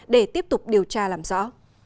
để tiếp tục điều tra làm rõ